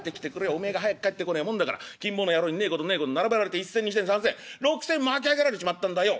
おめえが早く帰ってこねえもんだから金坊の野郎にねえことねえこと並べられて１銭２銭３銭６銭巻き上げられちまったんだよ」。